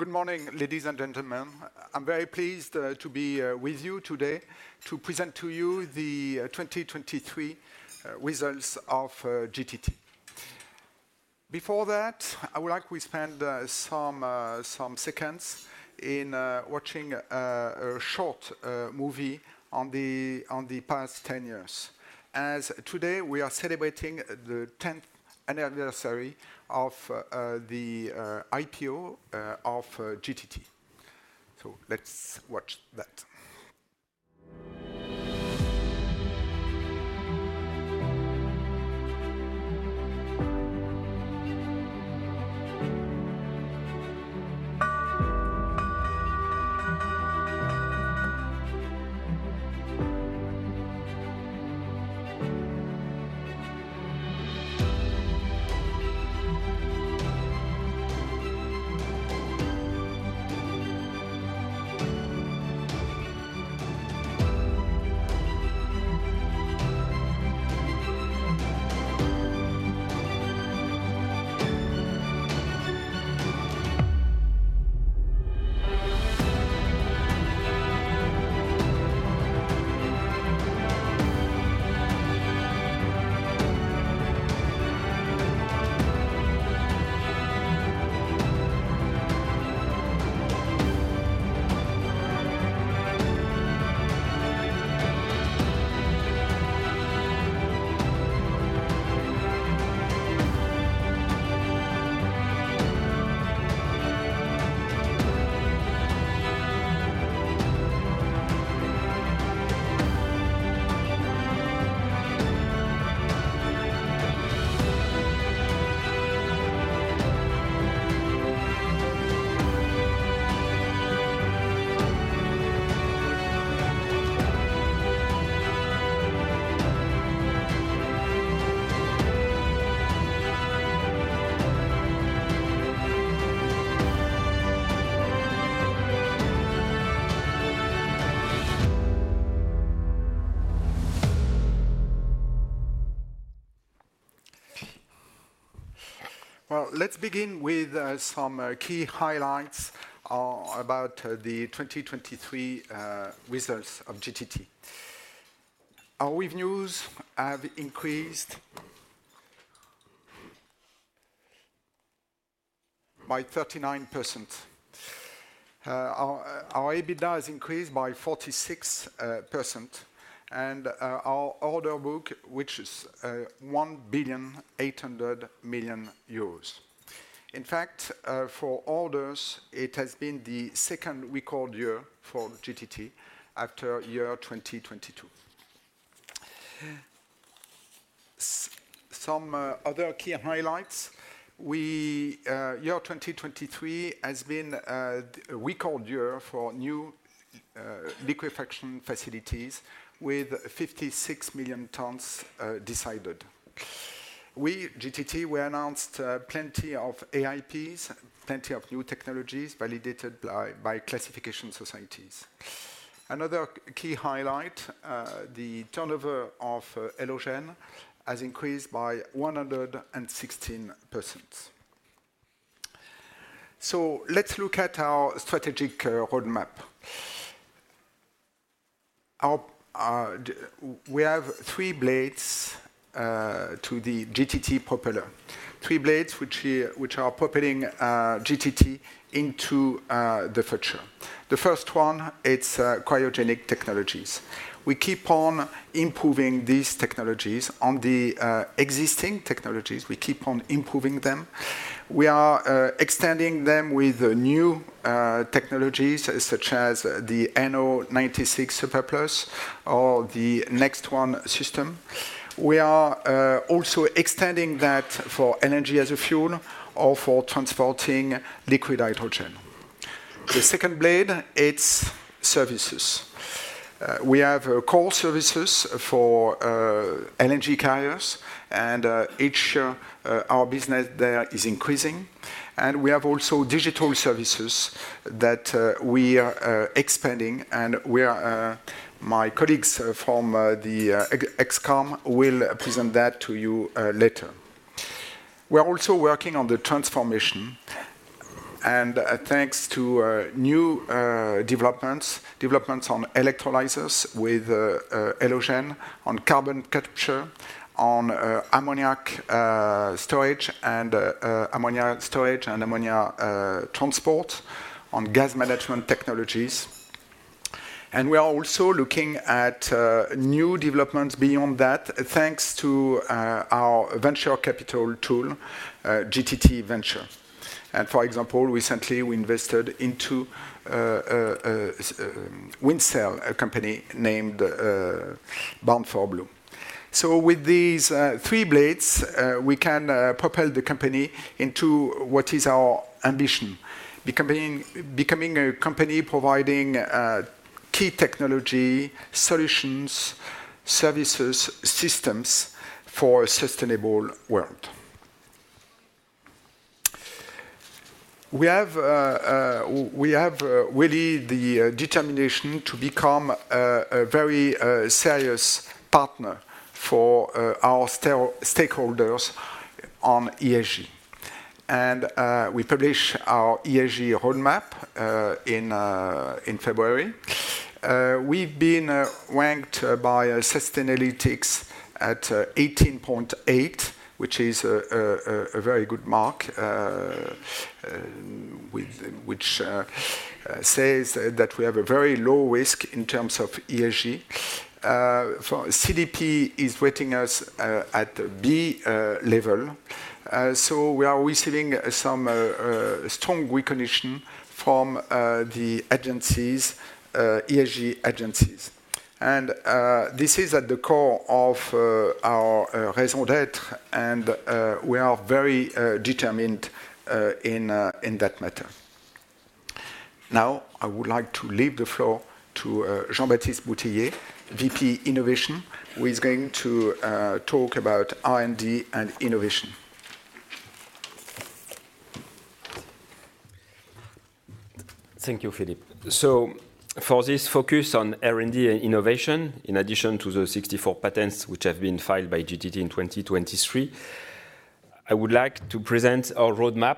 Good morning, ladies and gentlemen. I'm very pleased to be with you today to present to you the 2023 results of GTT. Before that, I would like to spend some seconds watching a short movie on the past 10 years, as today we are celebrating the 10th anniversary of the IPO of GTT. So let's watch that. Well, let's begin with some key highlights about the 2023 results of GTT. Our revenues have increased by 39%. Our EBITDA has increased by 46%, and our order book, which is 1.8 billion. In fact, for orders, it has been the second record year for GTT after year 2022. Some other key highlights: year 2023 has been a record year for new liquefaction facilities, with 56 million tonnes decided. We, GTT, announced plenty of AIPs, plenty of new technologies validated by classification societies. Another key highlight: the turnover of Elogen has increased by 116%. So let's look at our strategic roadmap. We have three blades to the GTT propeller, three blades which are propelling GTT into the future. The first one, it's cryogenic technologies. We keep on improving these technologies on the existing technologies. We keep on improving them. We are extending them with new technologies, such as the NO96 Super Plus or the NEXT1 system. We are also extending that for LNG as a fuel or for transporting liquid hydrogen. The second blade, it's services. We have core services for LNG carriers, and each year our business there is increasing. And we have also digital services that we are expanding, and my colleagues from the XCOM will present that to you later. We are also working on the transformation, and thanks to new developments on electrolyzers with Elogen, on carbon capture, on ammonia storage and ammonia transport, on gas management technologies. We are also looking at new developments beyond that, thanks to our venture capital tool, GTT Venture. For example, recently we invested into a wind cell company named Bound for Blue. With these three blades, we can propel the company into what is our ambition: becoming a company providing key technology, solutions, services, systems for a sustainable world. We have really the determination to become a very serious partner for our stakeholders on ESG. We published our ESG roadmap in February. We've been ranked by Sustainalytics at 18.8, which is a very good mark, which says that we have a very low risk in terms of ESG. CDP is rating us at B level, so we are receiving some strong recognition from the agencies, ESG agencies. This is at the core of our raison d'être, and we are very determined in that matter. Now, I would like to leave the floor to Jean-Baptiste Boutillier, VP Innovation, who is going to talk about R&D and innovation. Thank you, Philippe. So for this focus on R&D and innovation, in addition to the 64 patents which have been filed by GTT in 2023, I would like to present our roadmap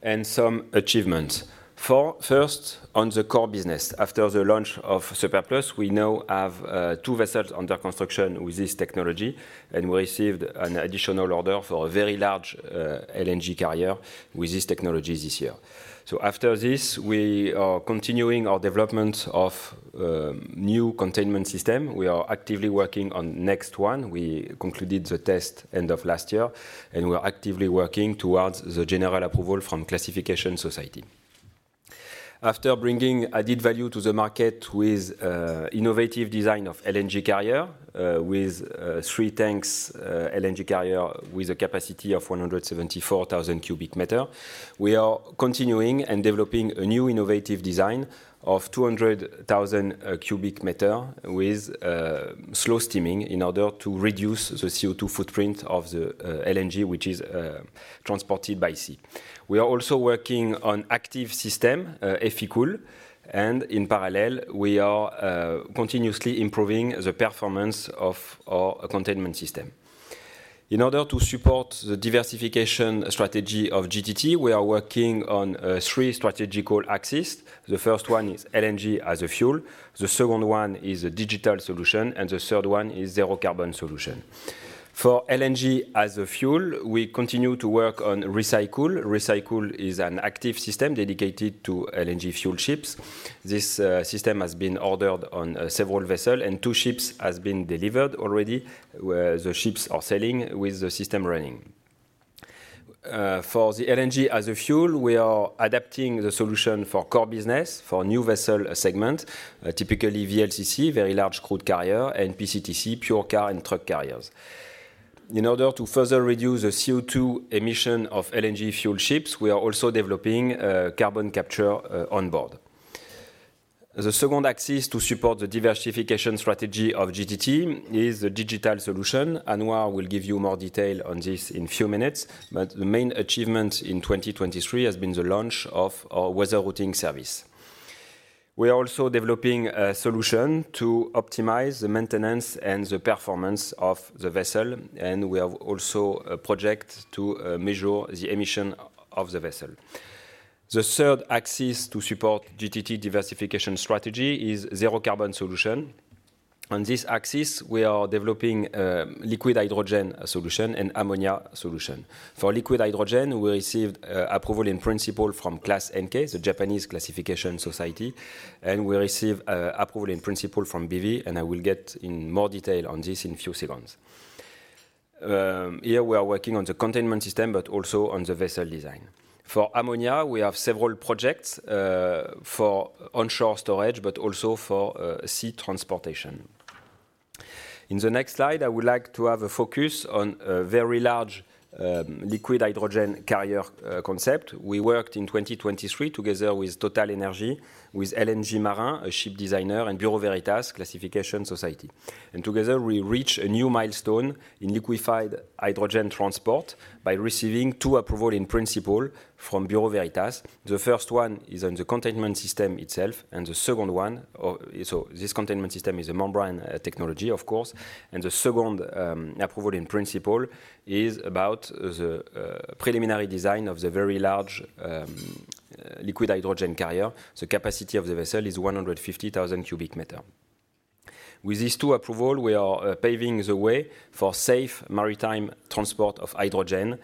and some achievements. First, on the core business. After the launch of Super Plus, we now have two vessels under construction with this technology, and we received an additional order for a very large LNG carrier with this technology this year. So after this, we are continuing our development of new containment systems. We are actively working on the next one. We concluded the test end of last year, and we are actively working towards the general approval from classification society. After bringing added value to the market with innovative design of LNG carrier, with three tanks LNG carrier with a capacity of 174,000 cubic meters, we are continuing and developing a new innovative design of 200,000 cubic meters with slow steaming in order to reduce the CO2 footprint of the LNG, which is transported by sea. We are also working on an active system, Efficool, and in parallel, we are continuously improving the performance of our containment system. In order to support the diversification strategy of GTT, we are working on three strategical axes. The first one is LNG as a fuel, the second one is a digital solution, and the third one is a zero-carbon solution. For LNG as a fuel, we continue to work on Recycool. Recycool is an active system dedicated to LNG fuel ships. This system has been ordered on several vessels, and two ships have been delivered already, where the ships are sailing with the system running. For the LNG as a fuel, we are adapting the solution for core business, for a new vessel segment, typically VLCC, Very Large Crude Carrier, and PCTC, Pure Car and Truck Carrier. In order to further reduce the CO2 emission of LNG fuel ships, we are also developing carbon capture onboard. The second axis to support the diversification strategy of GTT is the digital solution. Anouar will give you more detail on this in a few minutes, but the main achievement in 2023 has been the launch of our weather routing service. We are also developing a solution to optimize the maintenance and the performance of the vessel, and we have also a project to measure the emission of the vessel. The third axis to support GTT diversification strategy is a zero-carbon solution. On this axis, we are developing a liquid hydrogen solution and an ammonia solution. For liquid hydrogen, we received approval in principle from Class NK, the Japanese classification society, and we received approval in principle from BV, and I will get in more detail on this in a few seconds. Here, we are working on the containment system, but also on the vessel design. For ammonia, we have several projects for onshore storage, but also for sea transportation. In the next slide, I would like to have a focus on a very large liquid hydrogen carrier concept. We worked in 2023 together with TotalEnergies, with LNG Marin, a ship designer, and Bureau Veritas, classification society. Together, we reached a new milestone in liquefied hydrogen transport by receiving two approvals in principle from Bureau Veritas. The first one is on the containment system itself, and the second one so this containment system is a membrane technology, of course, and the second approval in principle is about the preliminary design of the very large liquid hydrogen carrier. The capacity of the vessel is 150,000 cubic meters. With these two approvals, we are paving the way for safe maritime transport of hydrogen,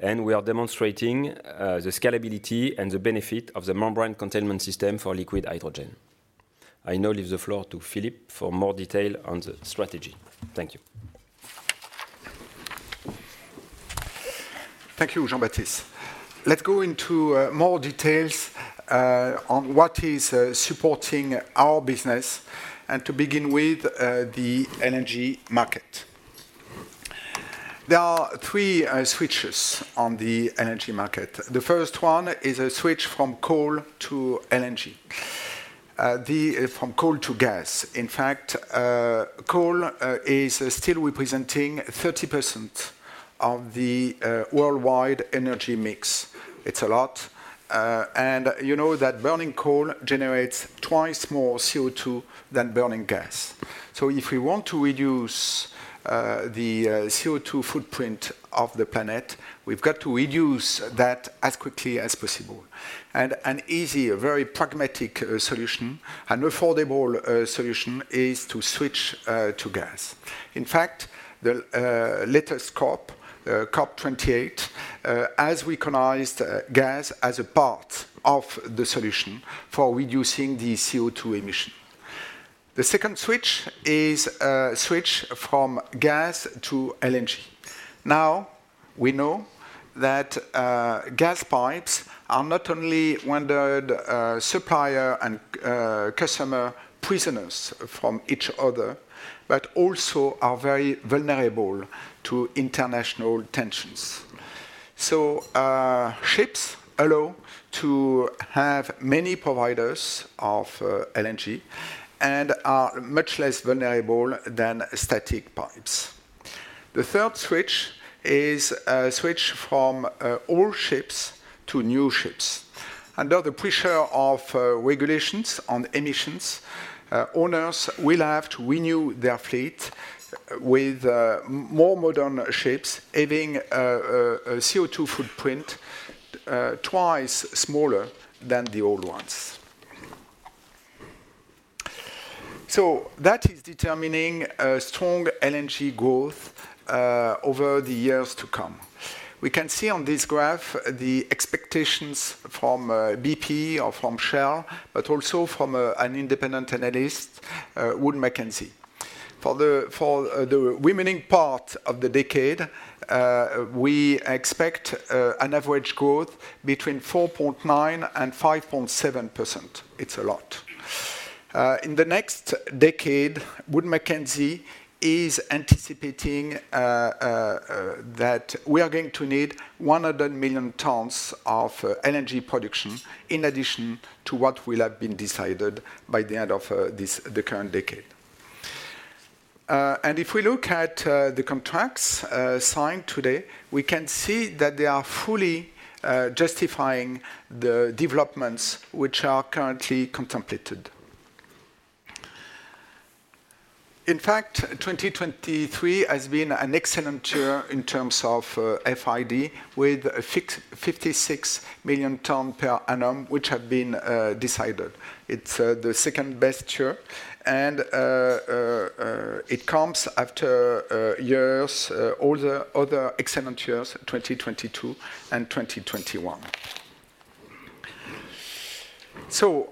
and we are demonstrating the scalability and the benefit of the membrane containment system for liquid hydrogen. I now leave the floor to Philippe for more detail on the strategy. Thank you. Thank you, Jean-Baptiste. Let's go into more details on what is supporting our business, and to begin with the energy market. There are three switches on the energy market. The first one is a switch from coal to LNG, from coal to gas. In fact, coal is still representing 30% of the worldwide energy mix. It's a lot. And you know that burning coal generates twice more CO2 than burning gas. So if we want to reduce the CO2 footprint of the planet, we've got to reduce that as quickly as possible. And an easy, very pragmatic solution, an affordable solution, is to switch to gas. In fact, the latest COP, COP28, has recognized gas as a part of the solution for reducing the CO2 emission. The second switch is a switch from gas to LNG. Now, we know that gas pipes are not only one-third suppliers and customers from each other, but also are very vulnerable to international tensions. So ships allow to have many providers of LNG and are much less vulnerable than static pipes. The third switch is a switch from old ships to new ships. Under the pressure of regulations on emissions, owners will have to renew their fleet with more modern ships having a CO2 footprint twice smaller than the old ones. So that is determining strong LNG growth over the years to come. We can see on this graph the expectations from BP or from Shell, but also from an independent analyst, Wood Mackenzie. For the remaining part of the decade, we expect an average growth between 4.9% and 5.7%. It's a lot. In the next decade, Wood Mackenzie is anticipating that we are going to need 100 million tonnes of LNG production in addition to what will have been decided by the end of the current decade. And if we look at the contracts signed today, we can see that they are fully justifying the developments which are currently contemplated. In fact, 2023 has been an excellent year in terms of FID, with 56 million tonnes per annum, which have been decided. It's the second-best year, and it comes after years, all the other excellent years, 2022 and 2021. So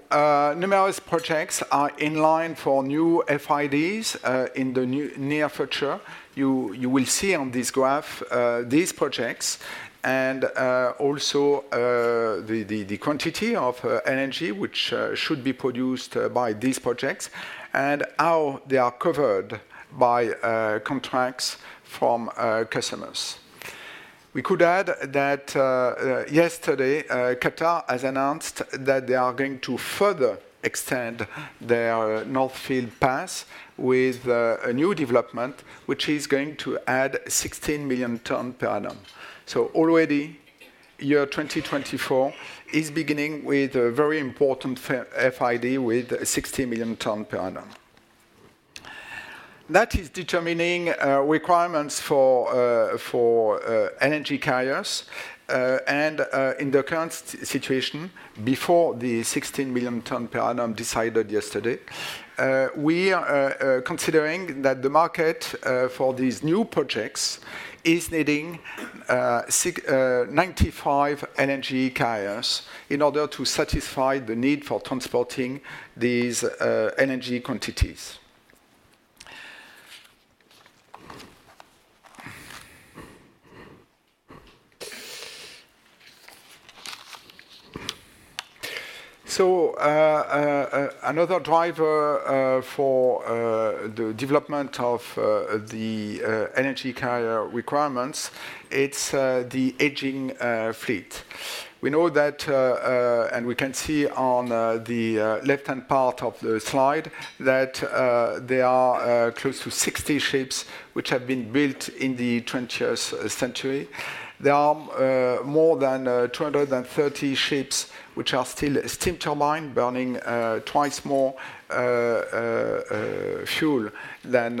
numerous projects are in line for new FIDs in the near future. You will see on this graph these projects and also the quantity of LNG which should be produced by these projects and how they are covered by contracts from customers. We could add that yesterday, Qatar has announced that they are going to further extend their North Field Pass with a new development, which is going to add 16 million tonnes per annum. So already, year 2024 is beginning with a very important FID with 60 million tonnes per annum. That is determining requirements for LNG carriers. And in the current situation, before the 16 million tonnes per annum decided yesterday, we are considering that the market for these new projects is needing 95 LNG carriers in order to satisfy the need for transporting these LNG quantities. So another driver for the development of the LNG carrier requirements, it's the aging fleet. We know that, and we can see on the left-hand part of the slide, that there are close to 60 ships which have been built in the 20th century. There are more than 230 ships which are still steam turbines, burning twice more fuel than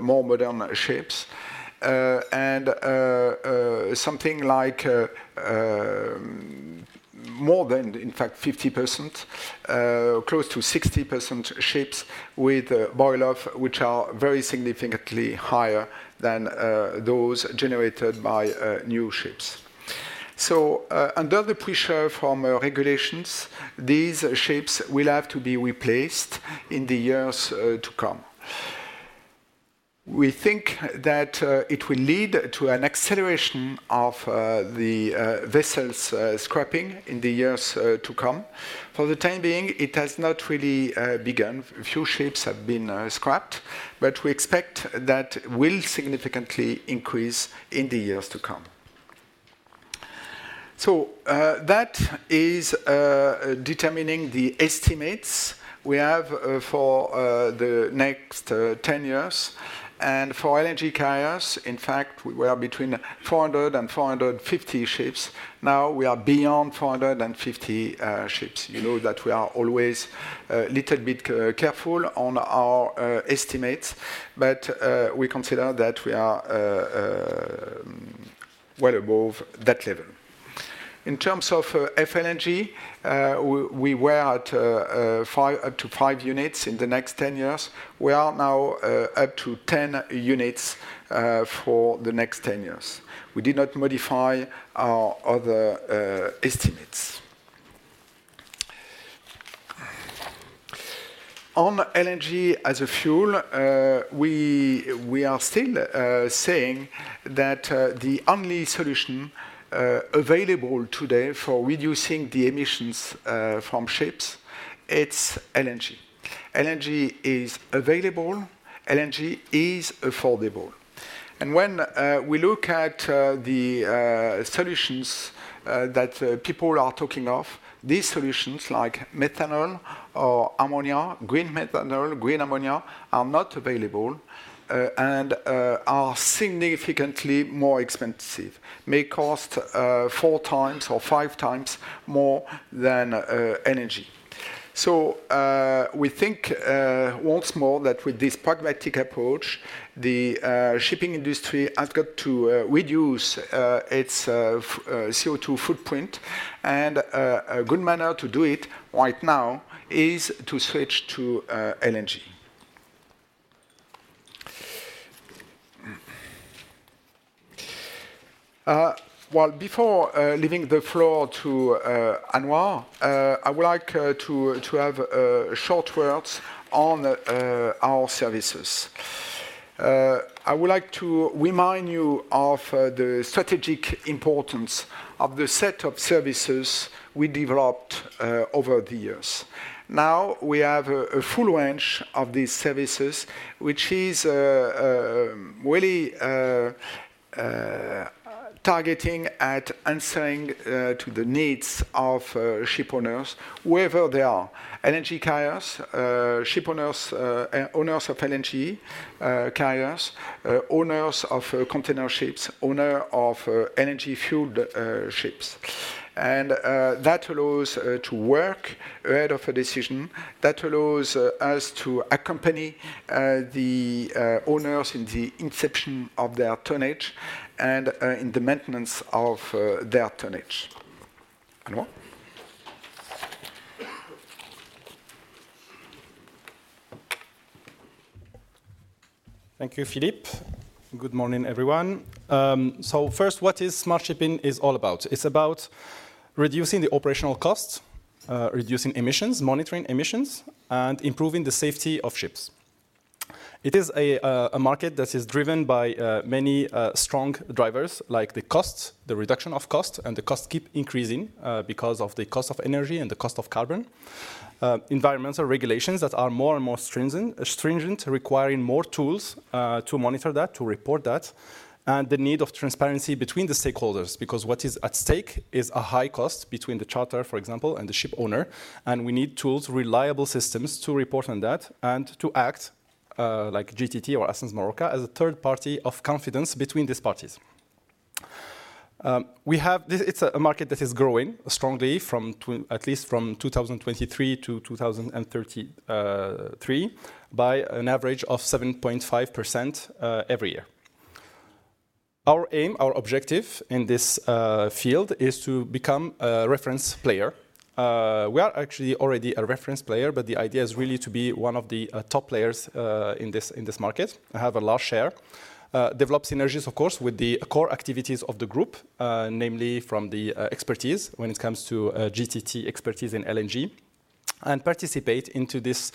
more modern ships. And something like more than, in fact, 50%, close to 60% ships with boil-off which are very significantly higher than those generated by new ships. So under the pressure from regulations, these ships will have to be replaced in the years to come. We think that it will lead to an acceleration of the vessels scrapping in the years to come. For the time being, it has not really begun. A few ships have been scrapped, but we expect that it will significantly increase in the years to come. So that is determining the estimates we have for the next 10 years. And for LNG carriers, in fact, we were between 400 and 450 ships. Now, we are beyond 450 ships. You know that we are always a little bit careful on our estimates, but we consider that we are well above that level. In terms of FLNG, we were at up to 5 units in the next 10 years. We are now up to 10 units for the next 10 years. We did not modify our other estimates. On LNG as a fuel, we are still saying that the only solution available today for reducing the emissions from ships, it's LNG. LNG is available. LNG is affordable. And when we look at the solutions that people are talking of, these solutions, like methanol or ammonia, green methanol, green ammonia, are not available and are significantly more expensive, may cost 4 times or 5 times more than LNG. So we think once more that with this pragmatic approach, the shipping industry has got to reduce its CO2 footprint. A good manner to do it right now is to switch to LNG. Well, before leaving the floor to Anouar, I would like to have short words on our services. I would like to remind you of the strategic importance of the set of services we developed over the years. Now, we have a full range of these services, which is really targeting at answering to the needs of shipowners, whoever they are: LNG carriers, shipowners, owners of LNG carriers, owners of container ships, owners of energy-fueled ships. That allows us to work ahead of a decision. That allows us to accompany the owners in the inception of their tonnage and in the maintenance of their tonnage. Anouar? Thank you, Philippe. Good morning, everyone. So first, what is smart shipping all about? It's about reducing the operational costs, reducing emissions, monitoring emissions, and improving the safety of ships. It is a market that is driven by many strong drivers, like the cost, the reduction of cost, and the cost keeps increasing because of the cost of energy and the cost of carbon. Environmental regulations that are more and more stringent, requiring more tools to monitor that, to report that, and the need of transparency between the stakeholders, because what is at stake is a high cost between the charter, for example, and the ship owner. And we need tools, reliable systems to report on that and to act like GTT or Ascenz Marorka as a third party of confidence between these parties. It's a market that is growing strongly, at least from 2023 to 2033, by an average of 7.5% every year. Our aim, our objective in this field, is to become a reference player. We are actually already a reference player, but the idea is really to be one of the top players in this market, have a large share, develop synergies, of course, with the core activities of the group, namely from the expertise when it comes to GTT expertise in LNG, and participate in this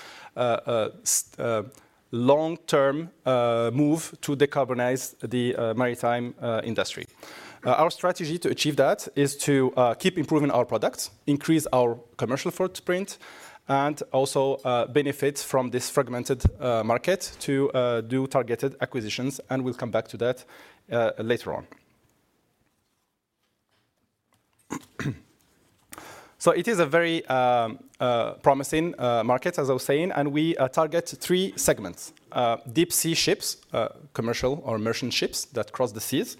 long-term move to decarbonize the maritime industry. Our strategy to achieve that is to keep improving our products, increase our commercial footprint, and also benefit from this fragmented market to do targeted acquisitions. And we'll come back to that later on. So it is a very promising market, as I was saying. We target three segments: deep-sea ships, commercial or merchant ships that cross the seas,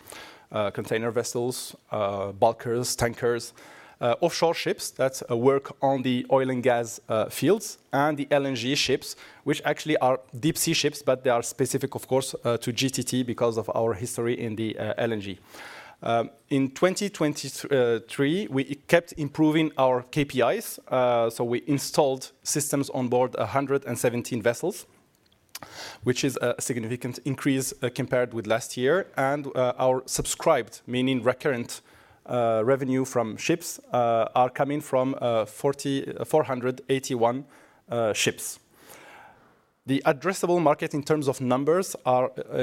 container vessels, bulkers, tankers, offshore ships that work on the oil and gas fields, and the LNG ships, which actually are deep-sea ships, but they are specific, of course, to GTT because of our history in the LNG. In 2023, we kept improving our KPIs. We installed systems on board 117 vessels, which is a significant increase compared with last year. Our subscribed, meaning recurrent revenue from ships, are coming from 481 ships. The addressable market in terms of numbers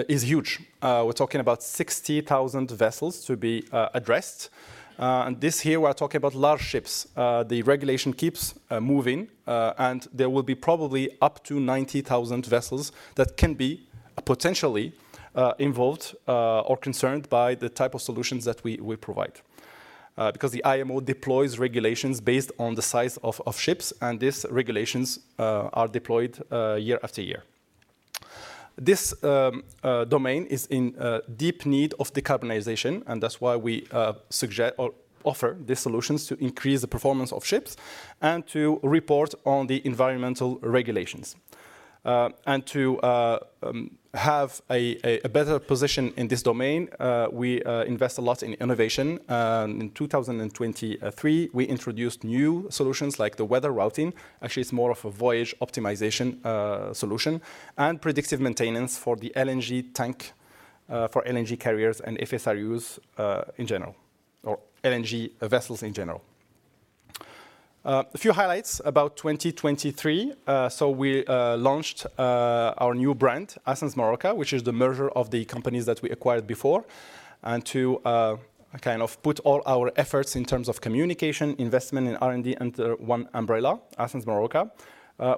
is huge. We're talking about 60,000 vessels to be addressed. This year, we are talking about large ships. The regulation keeps moving, and there will be probably up to 90,000 vessels that can be potentially involved or concerned by the type of solutions that we provide, because the IMO deploys regulations based on the size of ships, and these regulations are deployed year after year. This domain is in deep need of decarbonization, and that's why we suggest or offer these solutions to increase the performance of ships and to report on the environmental regulations. To have a better position in this domain, we invest a lot in innovation. In 2023, we introduced new solutions like the weather routing. Actually, it's more of a voyage optimization solution and predictive maintenance for the LNG tank, for LNG carriers and FSRUs in general, or LNG vessels in general. A few highlights about 2023. So we launched our new brand, Ascenz Marorka, which is the merger of the companies that we acquired before, and to kind of put all our efforts in terms of communication, investment in R&D under one umbrella, Ascenz Marorka.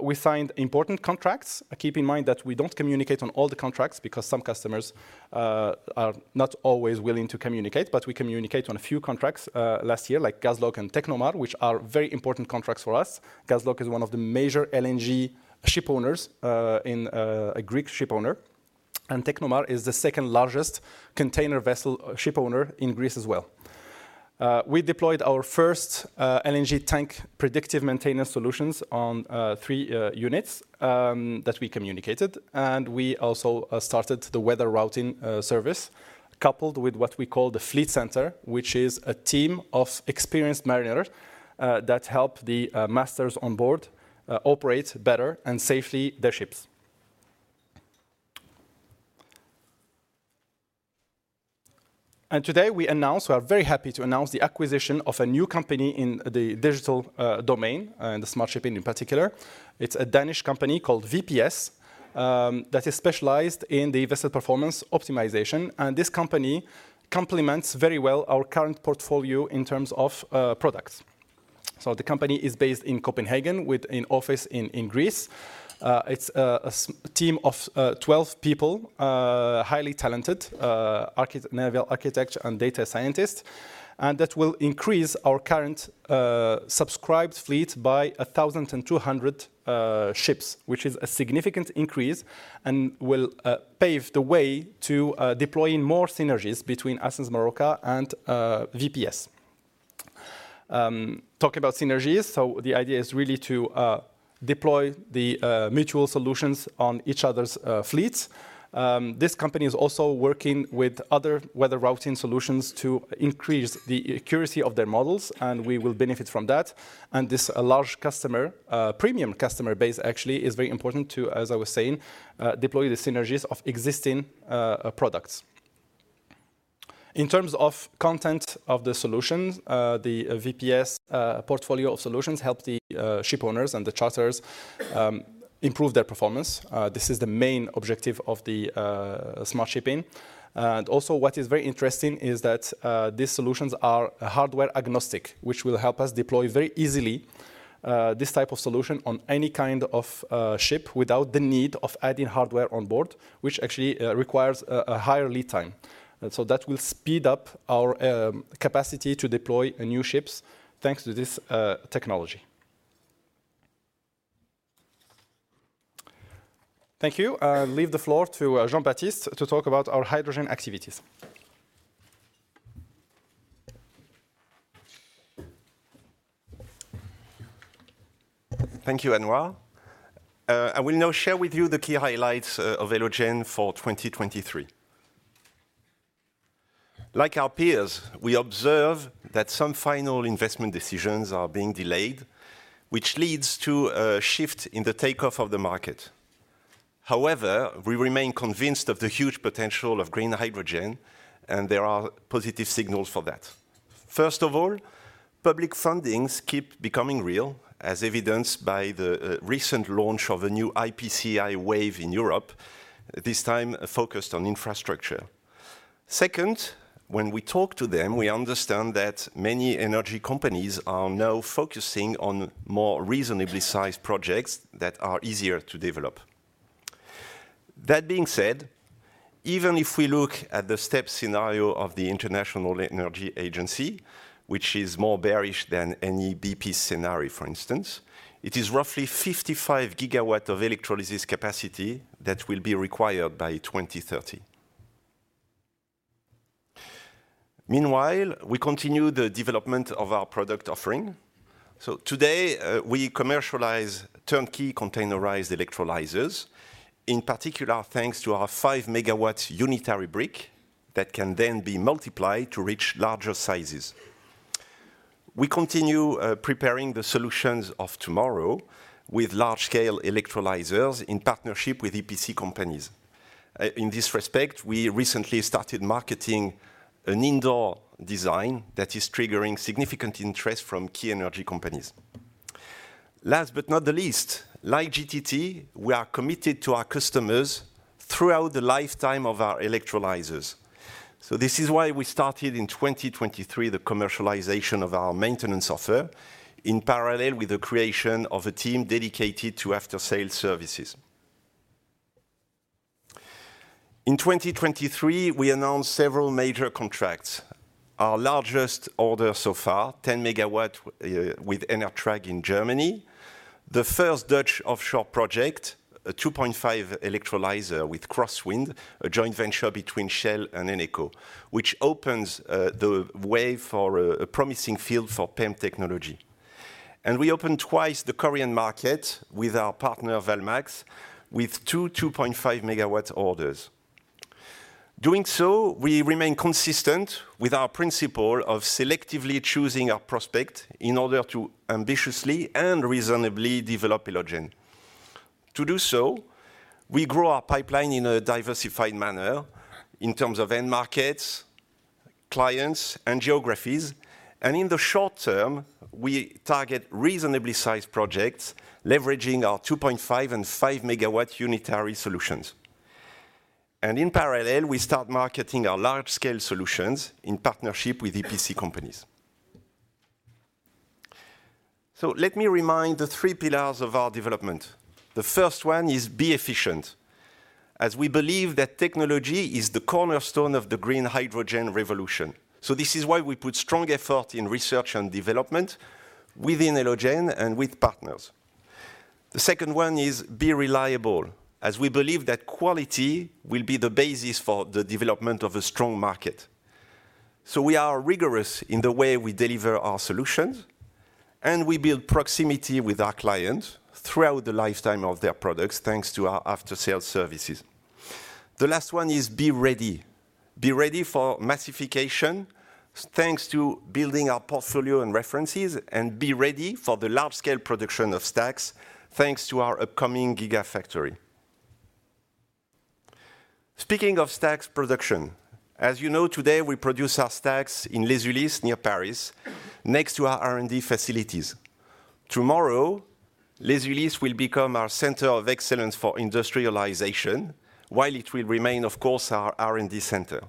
We signed important contracts. Keep in mind that we don't communicate on all the contracts because some customers are not always willing to communicate, but we communicated on a few contracts last year, like GasChem and Technomar, which are very important contracts for us. GasChem is one of the major LNG shipowners, a Greek shipowner, and Technomar is the second-largest container vessel shipowner in Greece as well. We deployed our first LNG tank predictive maintenance solutions on three units that we communicated. And we also started the weather routing service coupled with what we call the fleet center, which is a team of experienced mariners that help the masters on board operate better and safely their ships. And today, we announce, we are very happy to announce, the acquisition of a new company in the digital domain, in the smart shipping in particular. It's a Danish company called VPS that is specialized in the vessel performance optimization. And this company complements very well our current portfolio in terms of products. So the company is based in Copenhagen, with an office in Greece. It's a team of 12 people, highly talented, naval architects and data scientists, and that will increase our current subscribed fleet by 1,200 ships, which is a significant increase and will pave the way to deploying more synergies between Ascenz Marorka and VPS. Talking about synergies, so the idea is really to deploy the mutual solutions on each other's fleets. This company is also working with other weather routing solutions to increase the accuracy of their models, and we will benefit from that. And this large customer, premium customer base, actually, is very important to, as I was saying, deploy the synergies of existing products. In terms of content of the solutions, the VPS portfolio of solutions helps the shipowners and the charters improve their performance. This is the main objective of the Smart Shipping. And also, what is very interesting is that these solutions are hardware agnostic, which will help us deploy very easily this type of solution on any kind of ship without the need of adding hardware on board, which actually requires a higher lead time. So that will speed up our capacity to deploy new ships thanks to this technology. Thank you. I'll leave the floor to Jean-Baptiste to talk about our hydrogen activities. Thank you, Anouar. I will now share with you the key highlights of Elogen for 2023. Like our peers, we observe that some final investment decisions are being delayed, which leads to a shift in the takeoff of the market. However, we remain convinced of the huge potential of green hydrogen, and there are positive signals for that. First of all, public fundings keep becoming real, as evidenced by the recent launch of a new IPCEI wave in Europe, this time focused on infrastructure. Second, when we talk to them, we understand that many energy companies are now focusing on more reasonably sized projects that are easier to develop. That being said, even if we look at the step scenario of the International Energy Agency, which is more bearish than any BP scenario, for instance, it is roughly 55 gigawatts of electrolysis capacity that will be required by 2030. Meanwhile, we continue the development of our product offering. So today, we commercialize turnkey containerized electrolyzers, in particular thanks to our 5 MW unitary brick that can then be multiplied to reach larger sizes. We continue preparing the solutions of tomorrow with large-scale electrolyzers in partnership with EPC companies. In this respect, we recently started marketing an indoor design that is triggering significant interest from key energy companies. Last but not the least, like GTT, we are committed to our customers throughout the lifetime of our electrolyzers. So this is why we started in 2023 the commercialization of our maintenance offer in parallel with the creation of a team dedicated to after-sales services. In 2023, we announced several major contracts. Our largest order so far, 10 MW with ENERTRAG in Germany, the first Dutch offshore project, a 2.5 electrolyzer with CrossWind, a joint venture between Shell and Eneco, which opens the way for a promising field for PEM technology. We opened twice the Korean market with our partner Valmax with two 2.5 MW orders. Doing so, we remain consistent with our principle of selectively choosing our prospects in order to ambitiously and reasonably develop Elogen. To do so, we grow our pipeline in a diversified manner in terms of end markets, clients, and geographies. In the short term, we target reasonably sized projects, leveraging our 2.5 and 5 MW unitary solutions. In parallel, we start marketing our large-scale solutions in partnership with EPC companies. Let me remind the three pillars of our development. The first one is be efficient, as we believe that technology is the cornerstone of the green hydrogen revolution. So this is why we put strong effort in research and development within Elogen and with partners. The second one is be reliable, as we believe that quality will be the basis for the development of a strong market. So we are rigorous in the way we deliver our solutions, and we build proximity with our clients throughout the lifetime of their products thanks to our after-sales services. The last one is be ready, be ready for massification thanks to building our portfolio and references, and be ready for the large-scale production of stacks thanks to our upcoming Gigafactory. Speaking of stacks production, as you know, today, we produce our stacks in Les Ulis, near Paris, next to our R&D facilities. Tomorrow, Les Ulis will become our Center of Excellence for Industrialization, while it will remain, of course, our R&D center.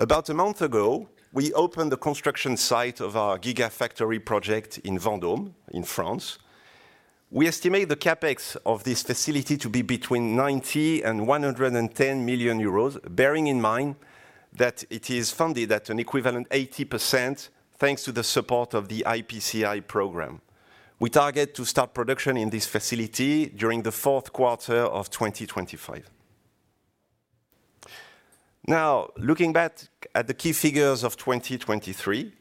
About a month ago, we opened the construction site of our Gigafactory project in Vendôme, in France. We estimate the CapEx of this facility to be between 90 million and 110 million euros, bearing in mind that it is funded at an equivalent 80% thanks to the support of the IPCEI program. We target to start production in this facility during the Q4 of 2025. Now, looking back at the key figures of 2023,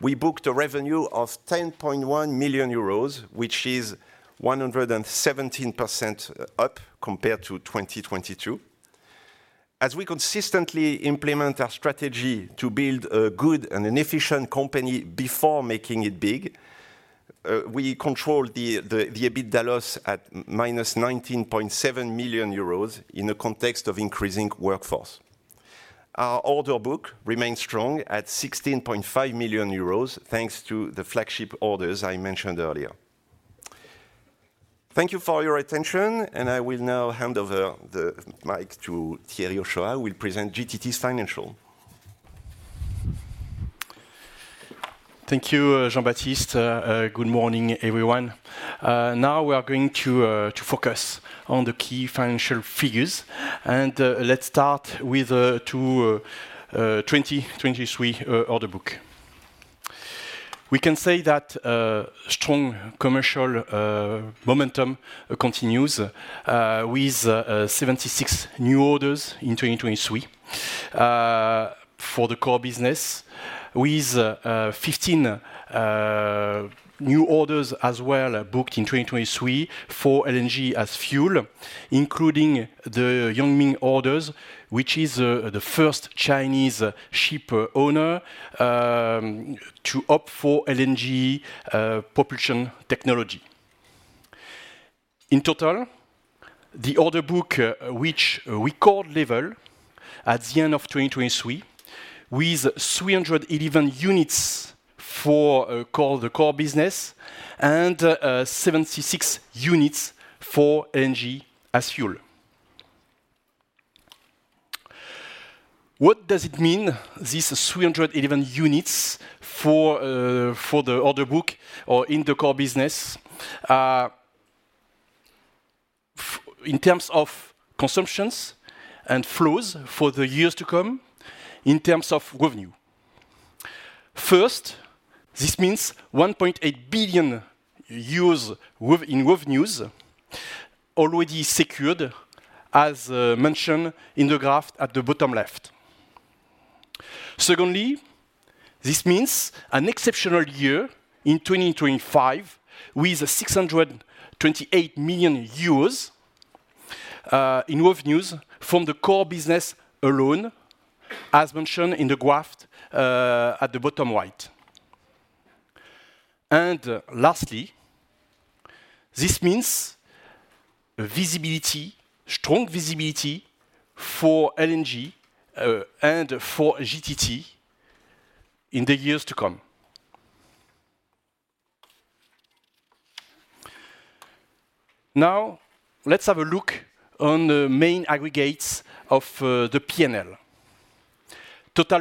we booked a revenue of 10.1 million euros, which is 117% up compared to 2022. As we consistently implement our strategy to build a good and an efficient company before making it big, we control the EBITDA loss at -19.7 million euros in a context of increasing workforce. Our order book remains strong at 16.5 million euros thanks to the flagship orders I mentioned earlier. Thank you for your attention. I will now hand over the mic to Thierry Hochoa, who will present GTT's financial. Thank you, Jean-Baptiste. Good morning, everyone. Now, we are going to focus on the key financial figures. Let's start with 2023 order book. We can say that strong commercial momentum continues with 76 new orders in 2023 for the core business, with 15 new orders as well booked in 2023 for LNG as fuel, including the Yang Ming orders, which is the first Chinese ship owner to opt for LNG propulsion technology. In total, the order book reached record level at the end of 2023 with 311 units for the core business and 76 units for LNG as fuel. What does it mean, these 311 units for the order book or in the core business, in terms of consumptions and flows for the years to come, in terms of revenue? First, this means 1.8 billion euros in revenues already secured, as mentioned in the graph at the bottom left. Secondly, this means an exceptional year in 2025 with 628 million euros in revenues from the core business alone, as mentioned in the graph at the bottom right. Lastly, this means strong visibility for LNG and for GTT in the years to come. Now, let's have a look on the main aggregates of the P&L. Total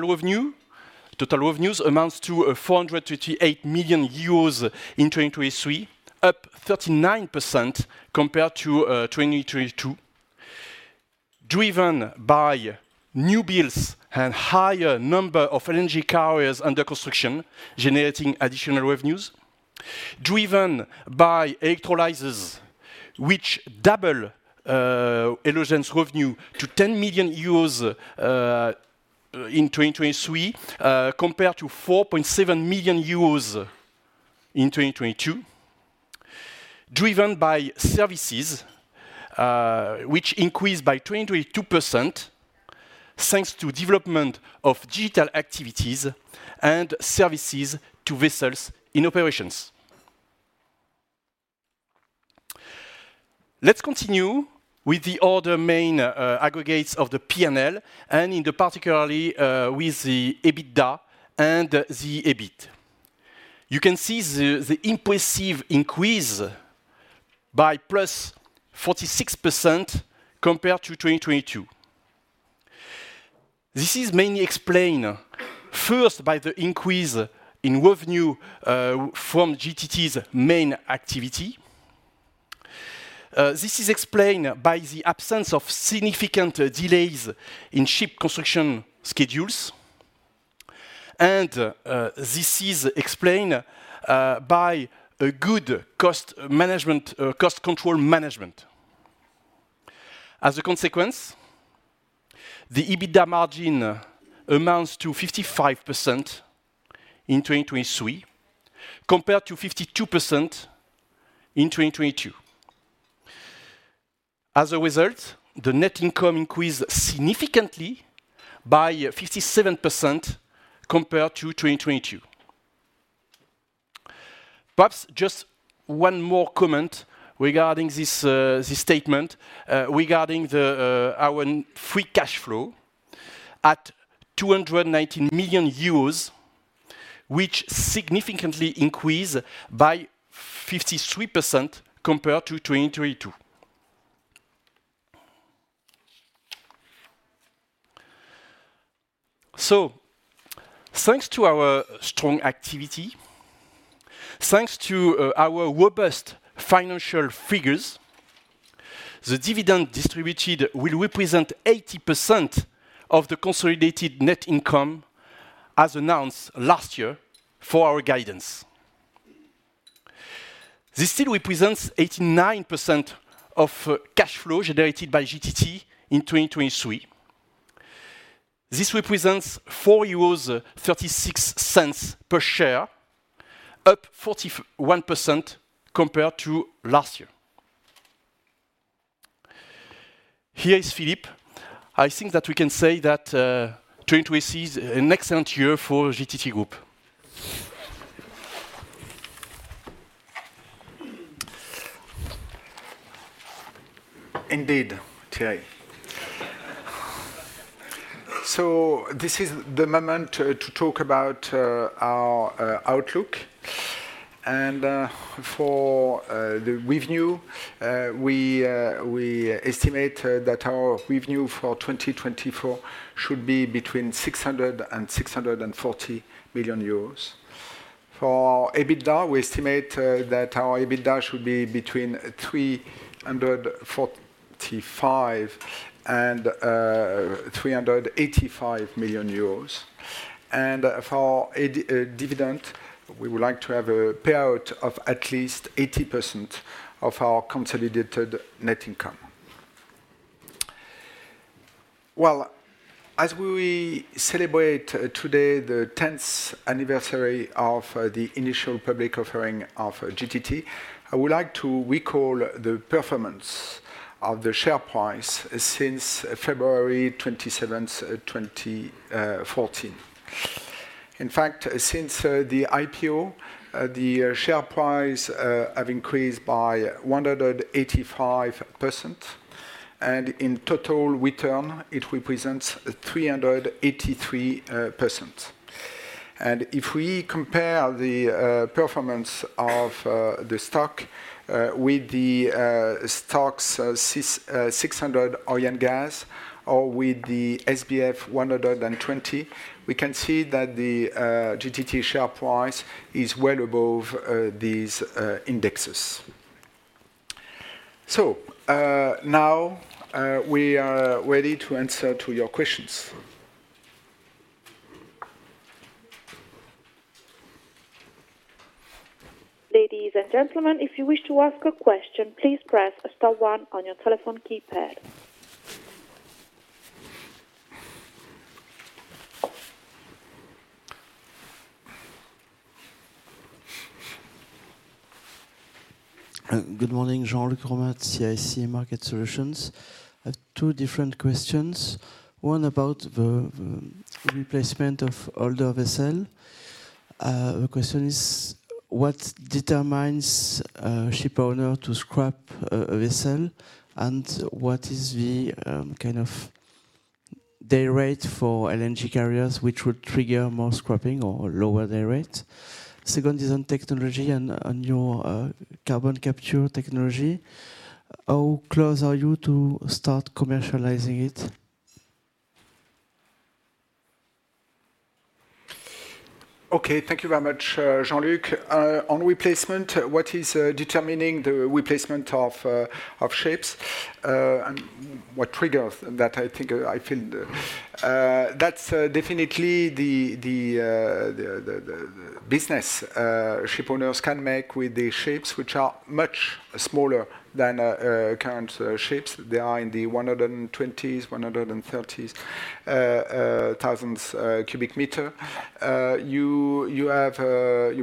revenues amount to 438 million euros in 2023, up 39% compared to 2022, driven by new builds and a higher number of LNG carriers under construction generating additional revenues, driven by electrolyzers, which doubled Elogen's revenue to 10 million euros in 2023 compared to 4.7 million euros in 2022, driven by services, which increased by 22% thanks to the development of digital activities and services to vessels in operations. Let's continue with the other main aggregates of the P&L, and in particular with the EBITDA and the EBIT. You can see the impressive increase by +46% compared to 2022. This is mainly explained first by the increase in revenue from GTT's main activity. This is explained by the absence of significant delays in ship construction schedules. This is explained by good cost control management. As a consequence, the EBITDA margin amounts to 55% in 2023 compared to 52% in 2022. As a result, the net income increased significantly by 57% compared to 2022. Perhaps just one more comment regarding this statement regarding our free cash flow at 219 million euros, which significantly increased by 53% compared to 2022. Thanks to our strong activity, thanks to our robust financial figures, the dividend distributed will represent 80% of the consolidated net income as announced last year for our guidance. This still represents 89% of cash flow generated by GTT in 2023. This represents 4.36 euros per share, up 41% compared to last year. Here is Philippe. I think that we can say that 2023 is an excellent year for GTT Group. Indeed, Thierry. So this is the moment to talk about our outlook. For the revenue, we estimate that our revenue for 2024 should be between 600 million euros and 640 million euros. For EBITDA, we estimate that our EBITDA should be between 345 million and 385 million euros. For dividend, we would like to have a payout of at least 80% of our consolidated net income. Well, as we celebrate today the 10th anniversary of the initial public offering of GTT, I would like to recall the performance of the share price since February 27, 2014. In fact, since the IPO, the share price has increased by 185%. And in total return, it represents 383%. If we compare the performance of the stock with the STOXX 600 or with the SBF 120, we can see that the GTT share price is well above these indexes. Now, we are ready to answer your questions. Ladies and gentlemen, if you wish to ask a question, please press star one on your telephone keypad. Good morning, Jean Luc Romain, CIC Market Solutions. I have two different questions. One about the replacement of older vessels. The question is, what determines ship owner to scrap a vessel? And what is the kind of day rate for LNG carriers which would trigger more scrapping or lower day rate? Second is on technology and on your carbon capture technology. How close are you to start commercializing it? OK, thank you very much, Jean-Luc. On replacement, what is determining the replacement of ships and what triggers that, I think I feel? That's definitely the business ship owners can make with the ships, which are much smaller than current ships. They are in the 120s, 130s thousand cubic meters. You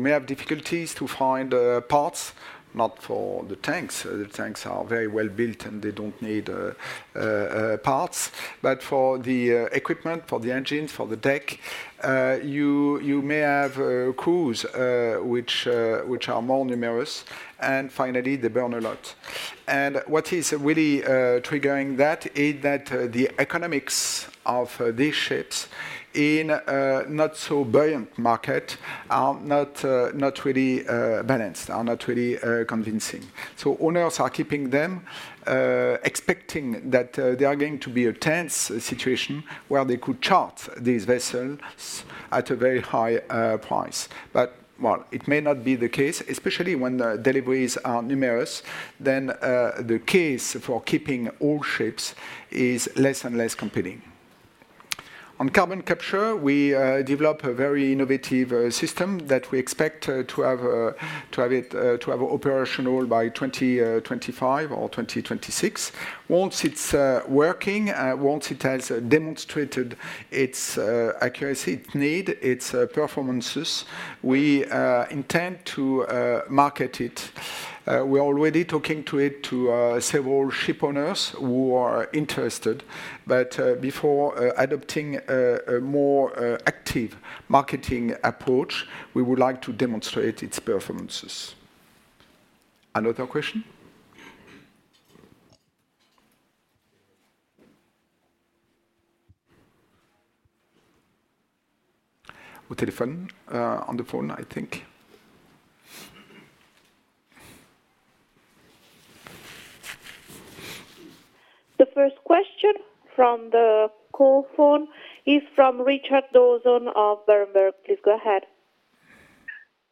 may have difficulties to find parts, not for the tanks. The tanks are very well built, and they don't need parts. But for the equipment, for the engines, for the deck, you may have crews which are more numerous. And finally, they burn a lot. And what is really triggering that is that the economics of these ships in a not-so-buoyant market are not really balanced, are not really convincing. So owners are keeping them, expecting that there are going to be a tense situation where they could charge these vessels at a very high price. Well, it may not be the case, especially when the deliveries are numerous. Then the case for keeping old ships is less and less compelling. On carbon capture, we develop a very innovative system that we expect to have operational by 2025 or 2026. Once it's working, once it has demonstrated its accuracy, its need, its performances, we intend to market it. We are already talking to several ship owners who are interested. But before adopting a more active marketing approach, we would like to demonstrate its performances. Another question? Telephone on the phone, I think. The first question from the call phone is from Richard Dawson of Berenberg. Please go ahead.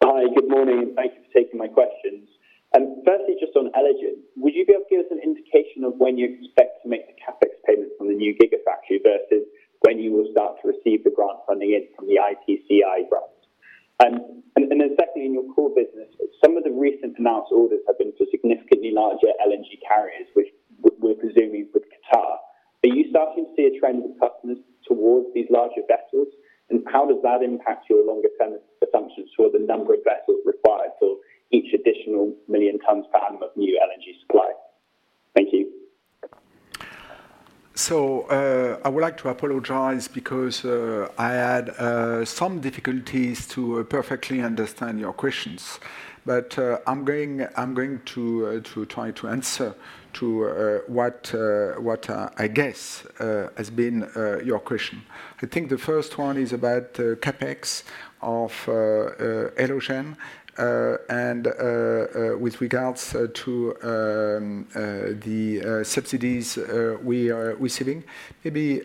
Hi. Good morning. Thank you for taking my questions. Firstly, just on Elogen, would you be able to give us an indication of when you expect to make the CapEx payment from the new Gigafactory versus when you will start to receive the grant funding in from the IPCEI grants? And then secondly, in your core business, some of the recent announced orders have been for significantly larger LNG carriers, which we're presuming with Qatar. Are you starting to see a trend with customers towards these larger vessels? And how does that impact your longer-term assumptions for the number of vessels required for each additional 1 million tons per annum of new LNG supply? Thank you. I would like to apologize because I had some difficulties to perfectly understand your questions. But I'm going to try to answer what I guess has been your question. I think the first one is about CapEx of Elogen and with regards to the subsidies we are receiving. Maybe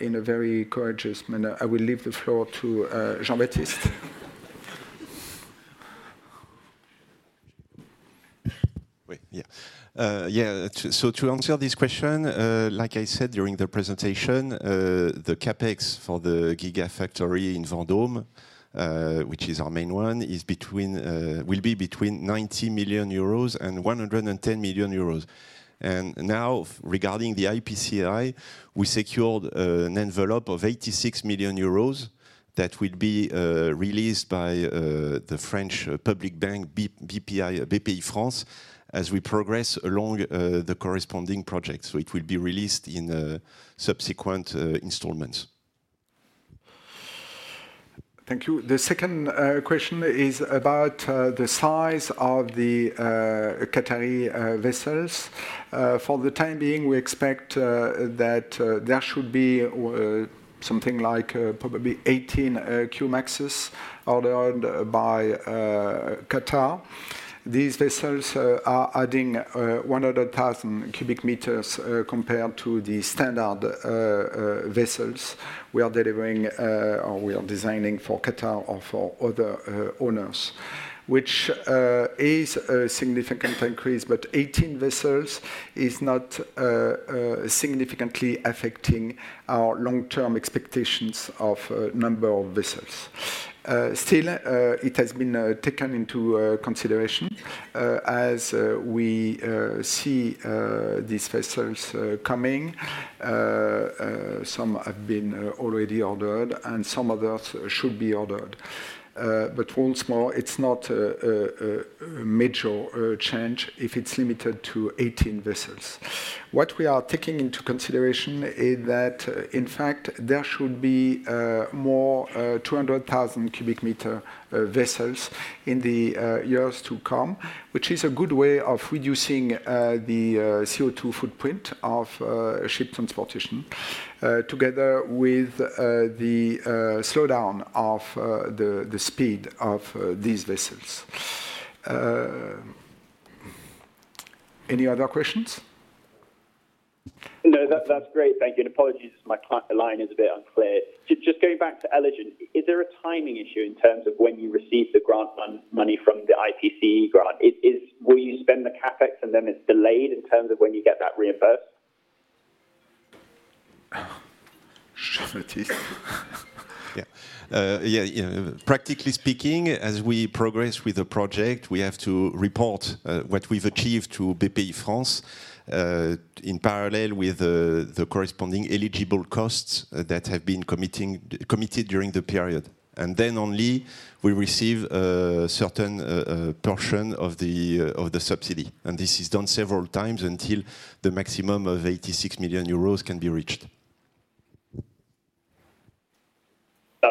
in a very courageous manner, I will leave the floor to Jean-Baptiste. Yeah. Yeah. So to answer this question, like I said during the presentation, the CapEx for the Gigafactory in Vendôme, which is our main one, will be between 90 million euros and 110 million euros. And now, regarding the IPCEI, we secured an envelope of 86 million euros that will be released by the French public bank, Bpifrance, as we progress along the corresponding projects. So it will be released in subsequent installments. Thank you. The second question is about the size of the Qatari vessels. For the time being, we expect that there should be something like probably 18 QMAXs ordered by Qatar. These vessels are adding 100,000 cubic meters compared to the standard vessels we are delivering or we are designing for Qatar or for other owners, which is a significant increase. But 18 vessels is not significantly affecting our long-term expectations of number of vessels. Still, it has been taken into consideration. As we see these vessels coming, some have been already ordered, and some others should be ordered. But once more, it's not a major change if it's limited to 18 vessels. What we are taking into consideration is that, in fact, there should be more 200,000-cubic-meter vessels in the years to come, which is a good way of reducing the CO2 footprint of ship transportation together with the slowdown of the speed of these vessels. Any other questions? No, that's great. Thank you. Apologies, my line is a bit unclear. Just going back to Elogen, is there a timing issue in terms of when you receive the grant money from the IPCE grant? Will you spend the CapEx, and then it's delayed in terms of when you get that reimbursed? Jean-Baptiste? Yeah. Yeah. Practically speaking, as we progress with the project, we have to report what we've achieved to Bpifrance in parallel with the corresponding eligible costs that have been committed during the period. Then only we receive a certain portion of the subsidy. This is done several times until the maximum of 86 million euros can be reached.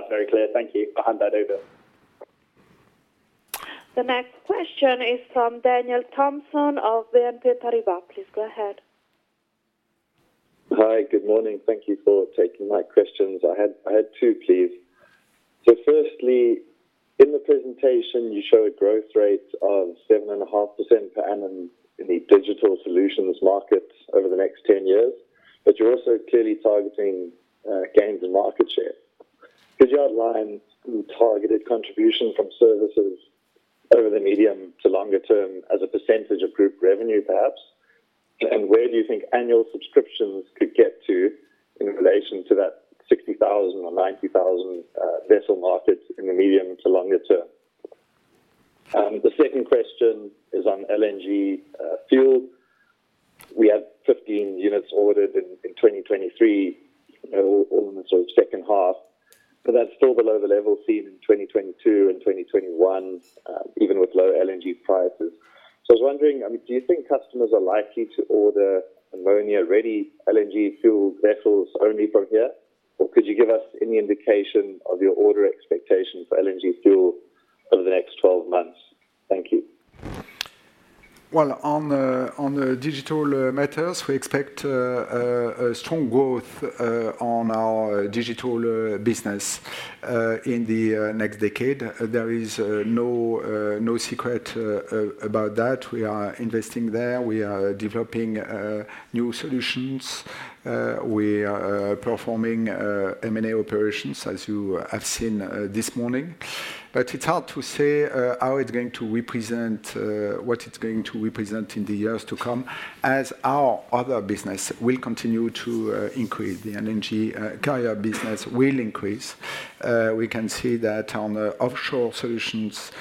That's very clear. Thank you. I'll hand that over. The next question is from Daniel Thompson of BNP Paribas. Please go ahead. Hi. Good morning. Thank you for taking my questions. I had two, please. So firstly, in the presentation, you show a growth rate of 7.5% per annum in the digital solutions market over the next 10 years. But you're also clearly targeting gains in market share. Could you outline targeted contribution from services over the medium to longer term as a percentage of group revenue, perhaps? And where do you think annual subscriptions could get to in relation to that 60,000 or 90,000 vessel market in the medium to longer term? The second question is on LNG fuel. We had 15 units ordered in 2023, all in the sort of second half. But that's still below the level seen in 2022 and 2021, even with low LNG prices. So I was wondering, do you think customers are likely to order ammonia-ready LNG fuel vessels only from here? Or could you give us any indication of your order expectation for LNG fuel over the next 12 months? Thank you. Well, on digital matters, we expect a strong growth on our digital business in the next decade. There is no secret about that. We are investing there. We are developing new solutions. We are performing M&A operations, as you have seen this morning. But it's hard to say how it's going to represent what it's going to represent in the years to come as our other business will continue to increase. The LNG carrier business will increase. We can see that on offshore solutions,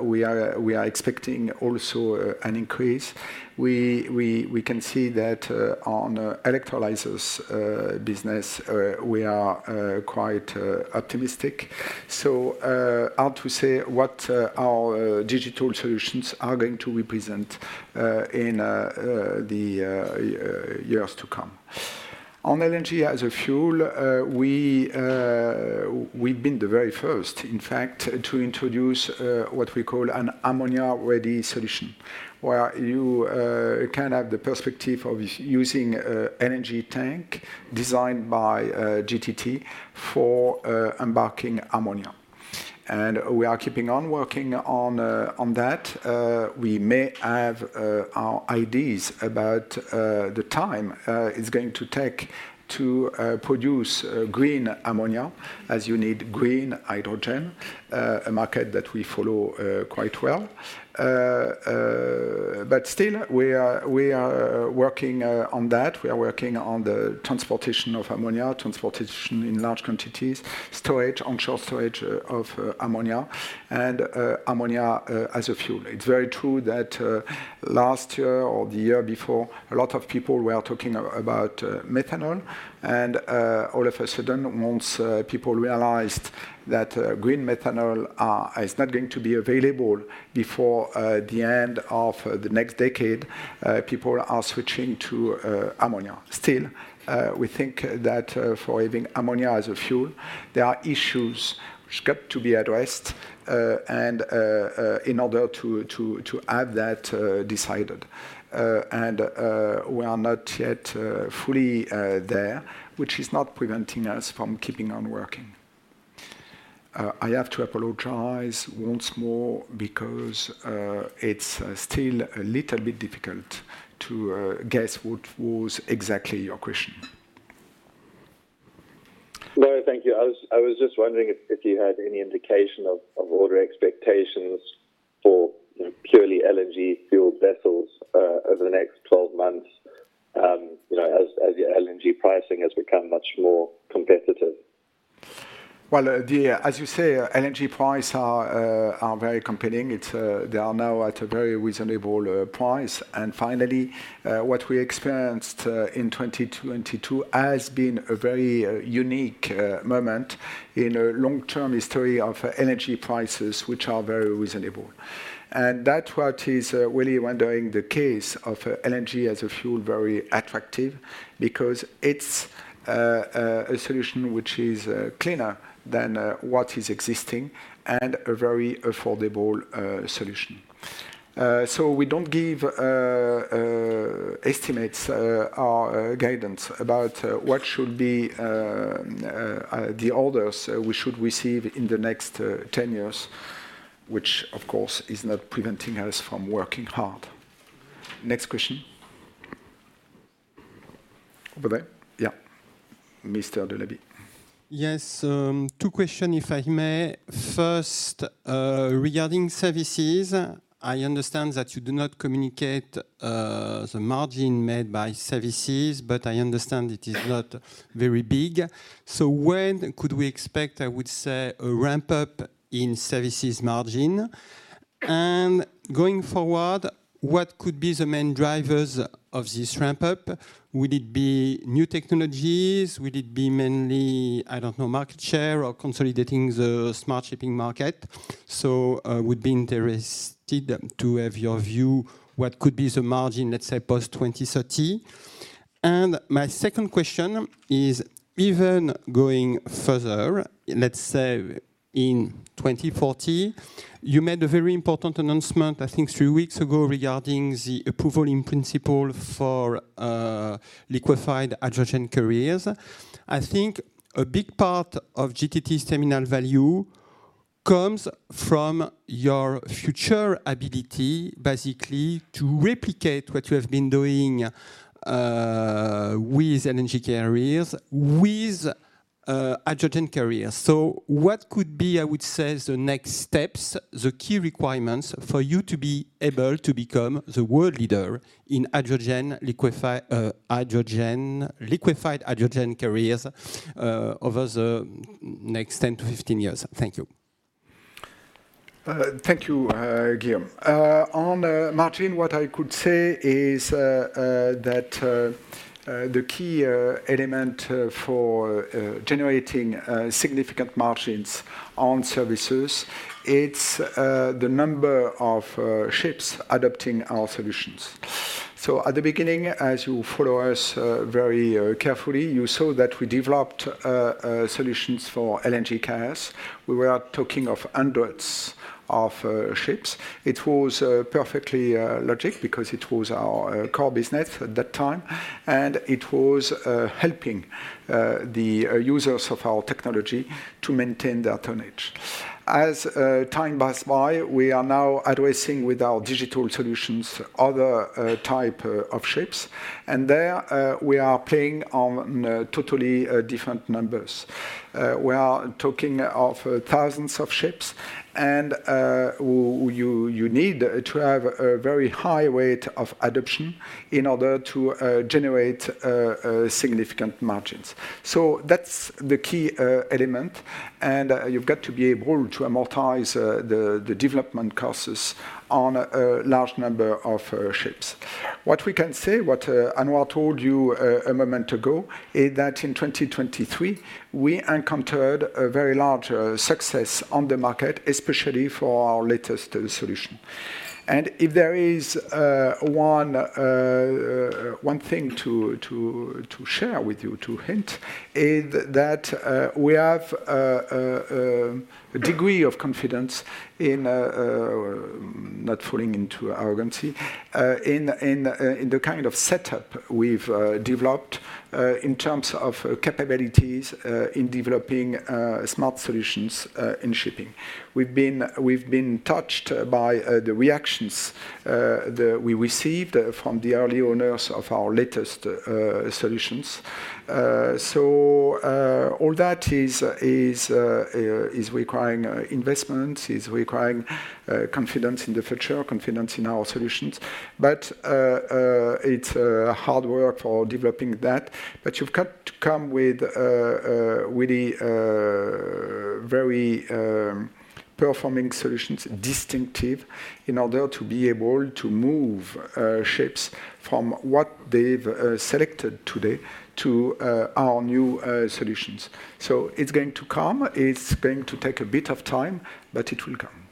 we are expecting also an increase. We can see that on electrolyzers business, we are quite optimistic. So hard to say what our digital solutions are going to represent in the years to come. On LNG as a fuel, we've been the very first, in fact, to introduce what we call an ammonia-ready solution where you can have the perspective of using an LNG tank designed by GTT for embarking ammonia. And we are keeping on working on that. We may have our ideas about the time it's going to take to produce green ammonia, as you need green hydrogen, a market that we follow quite well. But still, we are working on that. We are working on the transportation of ammonia, transportation in large quantities, storage, onshore storage of ammonia, and ammonia as a fuel. It's very true that last year or the year before, a lot of people were talking about methanol. And all of a sudden, once people realized that green methanol is not going to be available before the end of the next decade, people are switching to ammonia. Still, we think that for having ammonia as a fuel, there are issues which got to be addressed in order to have that decided. We are not yet fully there, which is not preventing us from keeping on working. I have to apologize once more because it's still a little bit difficult to guess what was exactly your question. No, thank you. I was just wondering if you had any indication of order expectations for purely LNG fuel vessels over the next 12 months as your LNG pricing has become much more competitive. Well, as you say, LNG prices are very compelling. They are now at a very reasonable price. And finally, what we experienced in 2022 has been a very unique moment in a long-term history of LNG prices, which are very reasonable. And that's what is really rendering the case of LNG as a fuel very attractive because it's a solution which is cleaner than what is existing and a very affordable solution. So we don't give estimates or guidance about what should be the orders we should receive in the next 10 years, which, of course, is not preventing us from working hard. Next question. Over there? Yeah. Mr. Delaby. Yes. Two questions, if I may. First, regarding services, I understand that you do not communicate the margin made by services. But I understand it is not very big. So when could we expect, I would say, a ramp-up in services margin? And going forward, what could be the main drivers of this ramp-up? Will it be new technologies? Will it be mainly, I don't know, market share or consolidating the smart shipping market? So I would be interested to have your view what could be the margin, let's say, post-2030. And my second question is, even going further, let's say in 2040, you made a very important announcement, I think, three weeks ago regarding the approval in principle for liquid hydrogen carriers. I think a big part of GTT's terminal value comes from your future ability, basically, to replicate what you have been doing with LNG carriers, with hydrogen carriers. So what could be, I would say, the next steps, the key requirements for you to be able to become the world leader in liquefied hydrogen carriers over the next 10-15 years? Thank you. Thank you, Guillaume. On margin, what I could say is that the key element for generating significant margins on services, it's the number of ships adopting our solutions. So at the beginning, as you follow us very carefully, you saw that we developed solutions for LNG carriers. We were talking of hundreds of ships. It was perfectly logical because it was our core business at that time. And it was helping the users of our technology to maintain their tonnage. As time passed by, we are now addressing with our digital solutions other types of ships. And there, we are playing on totally different numbers. We are talking of thousands of ships. And you need to have a very high rate of adoption in order to generate significant margins. So that's the key element. You've got to be able to amortize the development costs on a large number of ships. What we can say, what Anouar told you a moment ago, is that in 2023, we encountered a very large success on the market, especially for our latest solution. If there is one thing to share with you, to hint, is that we have a degree of confidence in not falling into arrogance in the kind of setup we've developed in terms of capabilities in developing smart solutions in shipping. We've been touched by the reactions we received from the early owners of our latest solutions. So all that is requiring investment, is requiring confidence in the future, confidence in our solutions. It's hard work for developing that. But you've got to come with really very performing solutions, distinctive, in order to be able to move ships from what they've selected today to our new solutions. So it's going to come. It's going to take a bit of time. But it will come.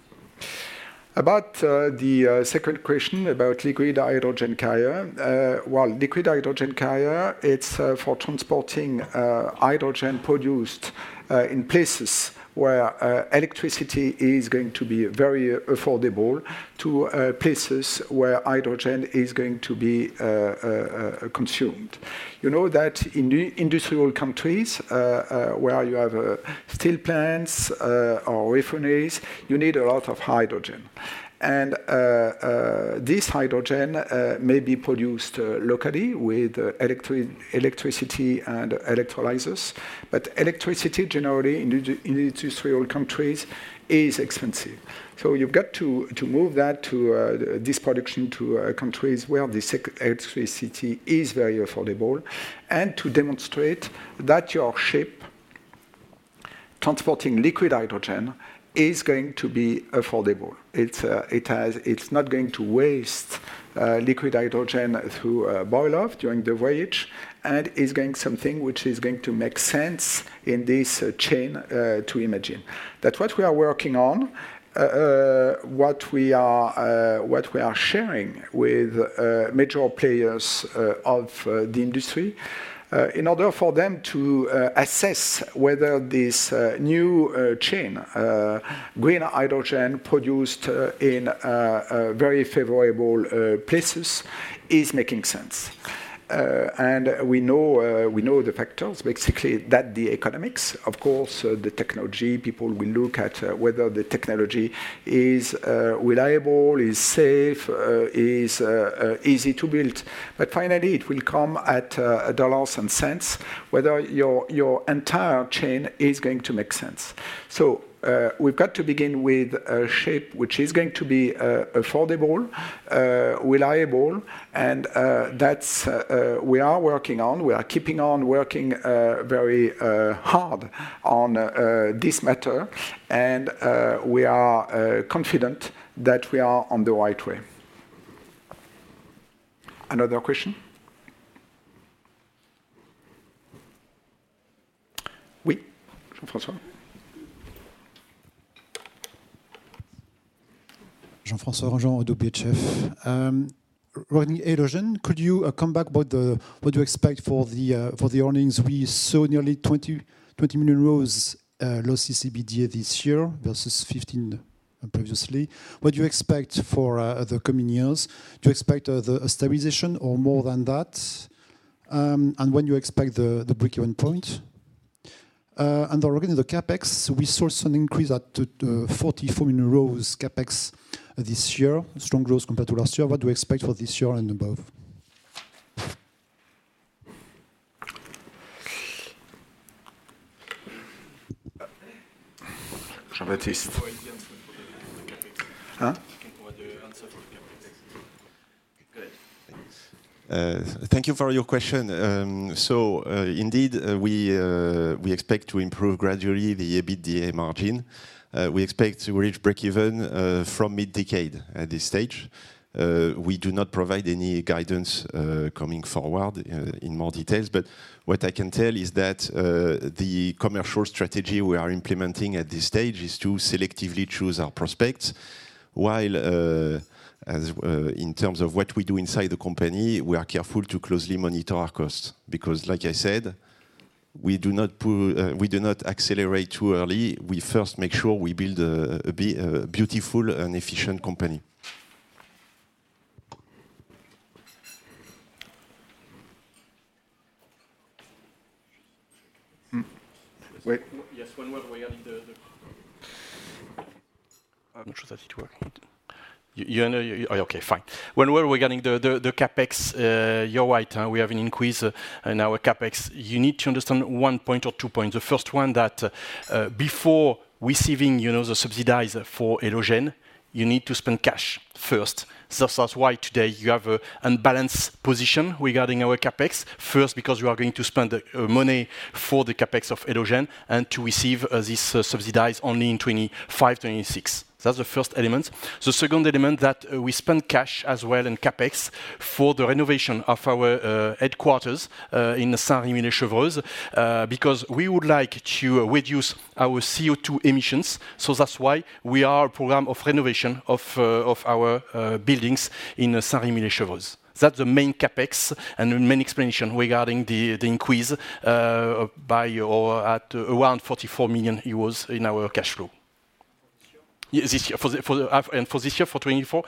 About the second question about liquid hydrogen carrier. Well, liquid hydrogen carrier, it's for transporting hydrogen produced in places where electricity is going to be very affordable to places where hydrogen is going to be consumed. You know that in industrial countries where you have steel plants or refineries, you need a lot of hydrogen. And this hydrogen may be produced locally with electricity and electrolyzers. But electricity, generally, in industrial countries is expensive. So you've got to move that, this production, to countries where this electricity is very affordable and to demonstrate that your ship transporting liquid hydrogen is going to be affordable. It's not going to waste liquid hydrogen through boil-off during the voyage and is going something which is going to make sense in this chain to imagine. That's what we are working on, what we are sharing with major players of the industry in order for them to assess whether this new chain, green hydrogen produced in very favorable places, is making sense. And we know the factors, basically, that the economics, of course, the technology, people will look at whether the company is reliable, is safe, is easy to build. But finally, it will come at dollars and cents whether your entire chain is going to make sense. So we've got to begin with a ship which is going to be affordable, reliable. And we are working on. We are keeping on working very hard on this matter. And we are confident that we are on the right way. Another question? Oui? Jean-François? Redburn Atlantic (Pietch). Regarding hydrogen, could you come back to what you expect for the earnings? We saw nearly 20 million euros EBITDA loss this year versus 15 previously. What do you expect for the coming years? Do you expect a stabilization or more than that? And when do you expect the break-even point? And regarding the CapEx, we saw some increase at 44 million euros CapEx this year, strong growth compared to last year. What do you expect for this year and above? Jean-Baptiste. Go ahead. Thank you for your question. So indeed, we expect to improve gradually the EBITDA margin. We expect to reach break-even from mid-decade at this stage. We do not provide any guidance coming forward in more details. But what I can tell is that the commercial strategy we are implementing at this stage is to selectively choose our prospects. While, in terms of what we do inside the company, we are careful to closely monitor our costs because, like I said, we do not accelerate too early. We first make sure we build a beautiful and efficient company. Yes. One word regarding the. I'm not sure that it worked. OK, fine. One word regarding the CapEx. You're right. We have an increase in our CapEx. You need to understand one point or two points. The first one that before receiving the subsidies for hydrogen, you need to spend cash first. That's why today, you have an unbalanced position regarding our CapEx, first because you are going to spend money for the CapEx of hydrogen and to receive these subsidies only in 2025, 2026. That's the first element. The second element, that we spend cash as well in CapEx for the renovation of our headquarters in Saint-Rémy-lès-Chevreuse because we would like to reduce our CO2 emissions. So that's why we are a program of renovation of our buildings in Saint-Rémy-lès-Chevreuse. That's the main CapEx and main explanation regarding the increase by around 44 million euros in our cash flow. For this year, for 2024,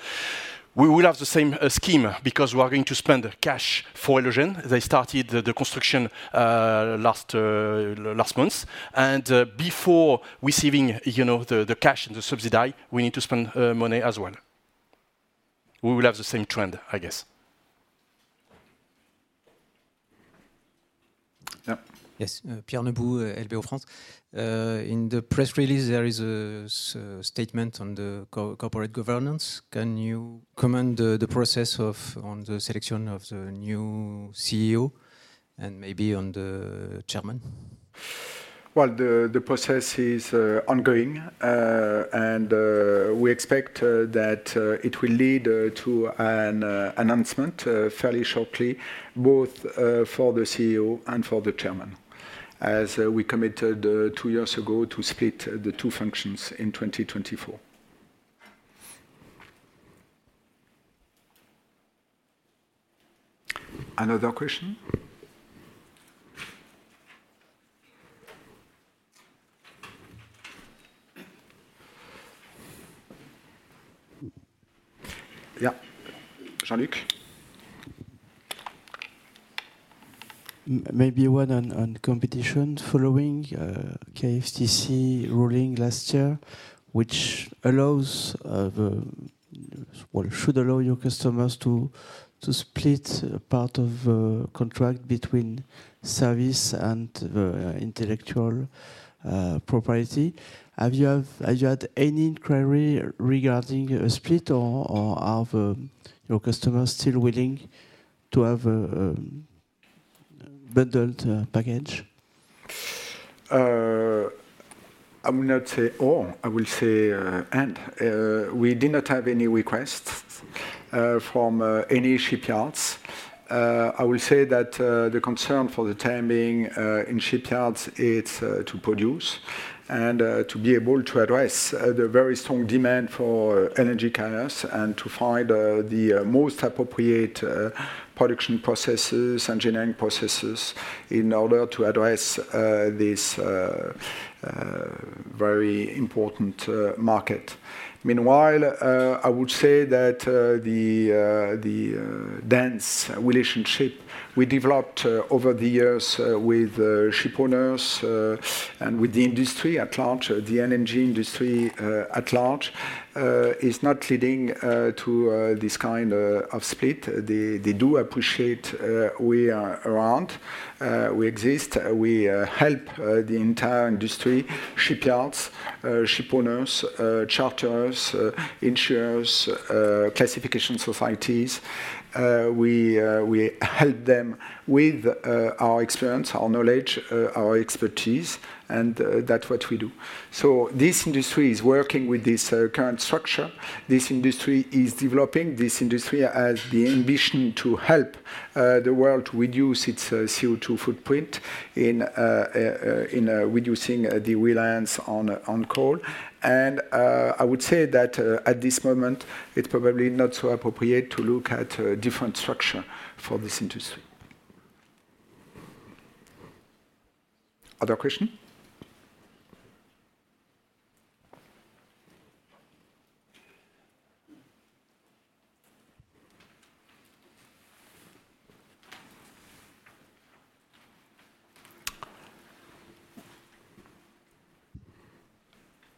we will have the same scheme because we are going to spend cash for hydrogen. They started the construction last month. Before receiving the cash and the subsidy, we need to spend money as well. We will have the same trend, I guess. Yes. Pierre Nebout, LBO France. In the press release, there is a statement on the corporate governance. Can you comment on the process of the selection of the new CEO and maybe on the chairman? Well, the process is ongoing. We expect that it will lead to an announcement fairly shortly, both for the CEO and for the chairman, as we committed two years ago to split the two functions in 2024. Another question? Yeah. Jean-Luc? Maybe one on competition. Following KFTC ruling last year, which allows, well, should allow your customers to split part of the contract between service and the intellectual property, have you had any inquiry regarding a split? Or are your customers still willing to have a bundled package? I will not say all. I will say end. We did not have any requests from any shipyards. I will say that the concern for the timing in shipyards, it's to produce and to be able to address the very strong demand for energy carriers and to find the most appropriate production processes, engineering processes, in order to address this very important market. Meanwhile, I would say that the dense relationship we developed over the years with shipowners and with the industry at large, the energy industry at large, is not leading to this kind of split. They do appreciate we are around. We exist. We help the entire industry, shipyards, shipowners, charterers, insurers, classification societies. We help them with our experience, our knowledge, our expertise. And that's what we do. So this industry is working with this current structure. This industry is developing. This industry has the ambition to help the world reduce its CO2 footprint in reducing the reliance on coal. I would say that at this moment, it's probably not so appropriate to look at a different structure for this industry. Other question?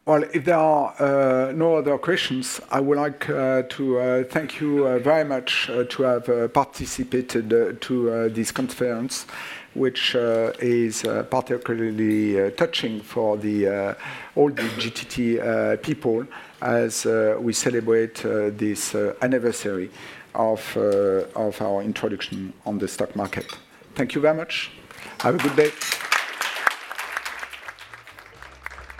Well, if there are no other questions, I would like to thank you very much for having participated in this conference, which is particularly touching for all the GTT people as we celebrate this anniversary of our introduction on the stock market. Thank you very much. Have a good day.